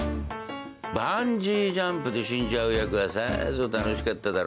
バンジージャンプで死んじゃう役はさぞ楽しかっただろう？